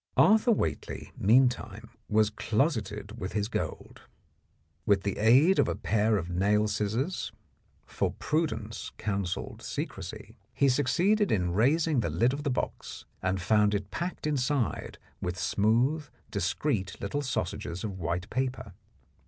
Arthur Whately meantime was closeted with his gold. With the aid of a pair of nail scissors (for 52 The Blackmailer of Park Lane prudence counselled secrecy) he succeeded in raising the lid of the box, and found it packed inside with smooth, discreet little sausages of white paper.